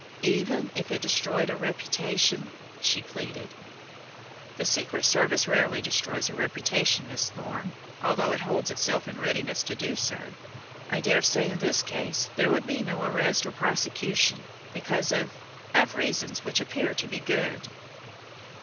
"Even if it destroyed a reputation?" she pleaded. "The Secret Service rarely destroys a reputation, Miss Thorne, although it holds itself in readiness to do so. I dare say in this case there would be no arrest or prosecution, because of of reasons which appear to be good."